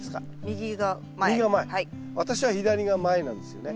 私は左が前なんですよね。